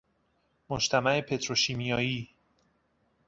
مجتمع پتروشیمیائی